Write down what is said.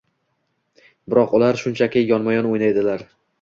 biroq ular shunchaki yonma-yon o‘ynaydilar.